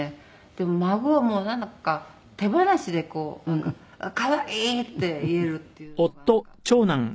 でも孫はもうなんだか手放しで「可愛い！」って言えるっていうのが。